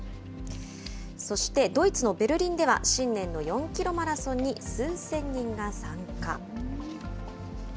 そしてドイツのベルリンでは、新年の４キロマラソンに数千人が参加。